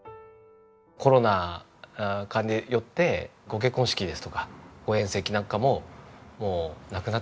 コロナ禍によってご結婚式ですとかご宴席なんかももうなくなってしまいますから。